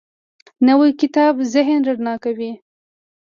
نوی کتاب ذهن رڼا کوي